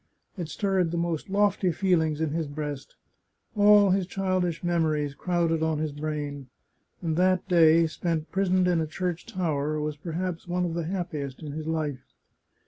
It stirred the most lofty feelings in his breast. All his childish memories crowded on his brain; and that day spent prisoned in a church tower was perhaps one of the happiest in his life.